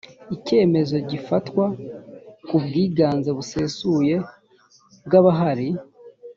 icyemezo gifatwa ku bwiganze busesuye bw’abahari